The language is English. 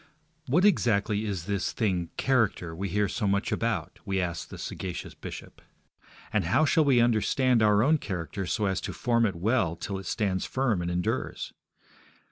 What exactly is this thing, character, we hear so much about? we ask the sagacious bishop. And how shall we understand our own character so as to form it well till it stands firm and endures?